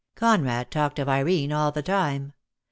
Conrad talked of Irene all the time.